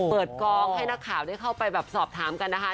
เปิดกองให้นักข่าวได้เข้าไปแบบสอบถามกันนะคะ